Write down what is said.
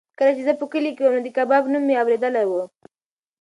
کله چې زه په کلي کې وم نو د کباب نوم مې اورېدلی و.